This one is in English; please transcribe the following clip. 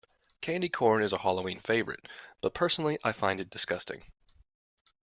Candy corn is a Halloween favorite, but personally I find it disgusting.